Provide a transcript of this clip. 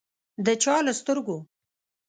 د چا له سترګو